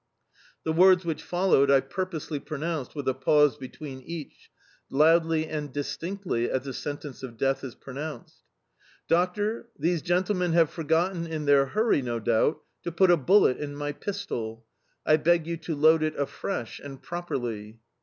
The words which followed I purposely pronounced with a pause between each loudly and distinctly, as the sentence of death is pronounced: "Doctor, these gentlemen have forgotten, in their hurry, no doubt, to put a bullet in my pistol. I beg you to load it afresh and properly!"